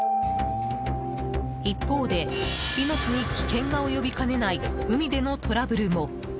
一方で、命に危険が及びかねない海でのトラブルも。